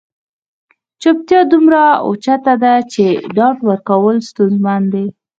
چوپتیا دومره اوچته ده چې ډاډ ورکول ستونزمن دي.